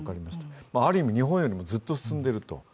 ある意味、日本よりもずっと進んでいると。